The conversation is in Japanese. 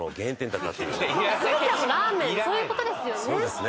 そういう事ですよね。